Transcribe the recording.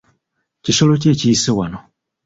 Kisolo ki ekiyise wano?